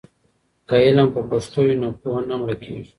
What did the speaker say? که علم په پښتو وي نو پوهه نه مړکېږي.